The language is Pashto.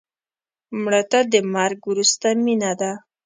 مړه ته د مرګ وروسته مینه ده